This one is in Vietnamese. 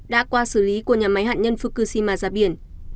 đã qua xử lý của nhà máy hạt nhân fukushima ra biển